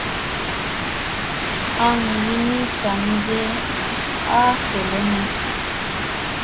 Aŋ li ni zla mi ge ha solonaŋ.